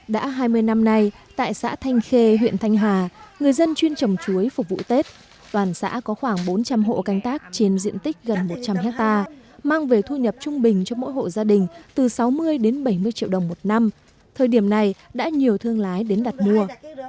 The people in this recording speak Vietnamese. đã hai mươi năm nay tại xã thanh khê huyện thanh hà người dân chuyên trồng chuối phục vụ tết toàn xã có khoảng bốn trăm linh hộ canh tác trên diện tích gần một trăm linh hectare mang về thu nhập trung bình cho mỗi hộ gia đình từ sáu mươi đến bảy mươi triệu đồng một năm thời điểm này đã nhiều thương lái đến đặt mua